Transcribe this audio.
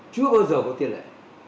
chưa bao giờ có tiền lệ